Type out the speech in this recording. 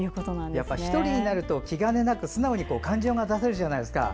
やっぱり１人になると気兼ねなく素直に感情が出せるじゃないですか。